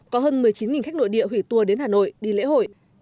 có hơn một mươi chín khách nội địa hủy tour đến hà nội đi lễ hội